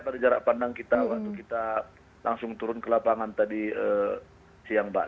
dari jarak pandang kita waktu kita langsung turun ke lapangan tadi siang mbak